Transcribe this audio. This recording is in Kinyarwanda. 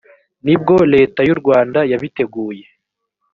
ni bwo leta y urwanda yabiteguye